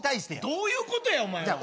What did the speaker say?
どういうことやお前は？